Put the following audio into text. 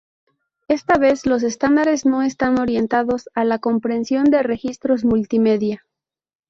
Esta vez, los estándares no están orientados a la compresión de registros multimedia.